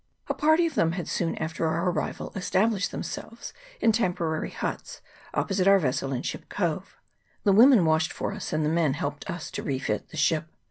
A party of them had soon after our arrival established themselves in temporary huts opposite our vessel in Ship Cove ; the women washed for us, and the men helped us to refit the ship.